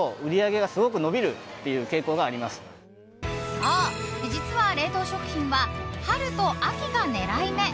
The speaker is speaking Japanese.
そう、実は冷凍食品は春と秋が狙い目。